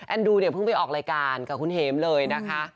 ดูเนี่ยเพิ่งไปออกรายการกับคุณเห็มเลยนะคะ